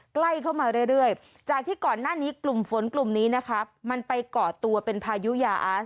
ใกล้เข้ามาเรื่อยจากที่ก่อนหน้านี้กลุ่มฝนกลุ่มนี้นะคะมันไปก่อตัวเป็นพายุยาอาส